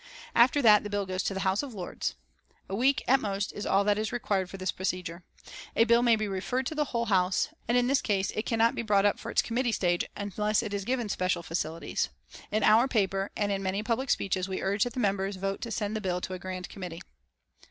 After that the bill goes to the House of Lords. A week at most is all that is required for this procedure. A bill may be referred to the Whole House, and in this case it cannot be brought up for its committee stage unless it is given special facilities. In our paper and in many public speeches we urged that the members vote to send the bill to a Grand Committee.